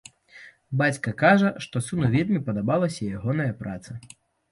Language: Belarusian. Бацька кажа, што сыну вельмі падабалася ягоная праца.